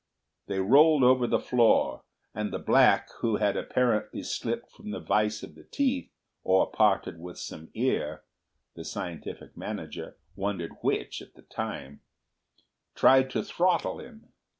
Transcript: They rolled over on the floor, and the black, who had apparently slipped from the vice of the teeth or parted with some ear—the scientific manager wondered which at the time—tried to throttle him.